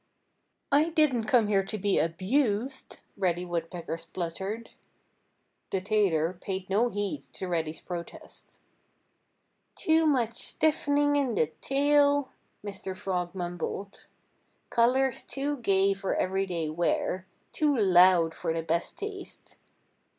"I didn't come here to be abused!" Reddy Woodpecker spluttered. The tailor paid no heed to Reddy's protest. "Too much stiffening in the tail!" Mr. Frog mumbled. "Colors too gay for everyday wear! Too loud for the best taste!"